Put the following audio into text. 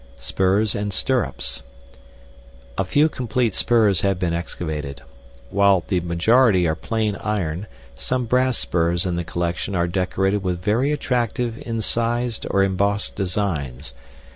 Spurs and Stirrups. A few complete spurs have been excavated. While the majority are plain iron some brass spurs in the collection are decorated with very attractive incised or embossed designs.